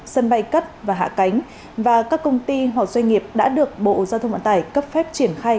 sân bay cất và hạ cánh và các công ty hoặc doanh nghiệp đã được bộ giao thông vận tải cấp phép triển khai